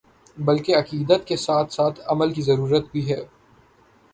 بلکہ عقیدت کے ساتھ ساتھ عمل کی ضرورت بھی ہے ۔